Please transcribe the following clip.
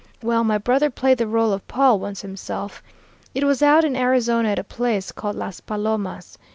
Well, my brother played the rôle of Paul once himself. It was out in Arizona at a place called Las Palomas.